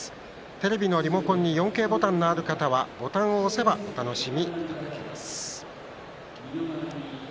テレビのリモコンに４Ｋボタンのある方はボタンを押せばお楽しみいただけます。